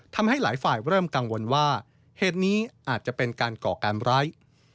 ทำให้หลายฝ่ายเริ่มกังวลว่าเหตุนี้อาจจะเป็นการก่อการร้าย